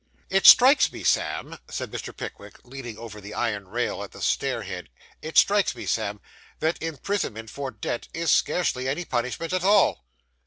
'It strikes me, Sam,' said Mr. Pickwick, leaning over the iron rail at the stair head, 'it strikes me, Sam, that imprisonment for debt is scarcely any punishment at all.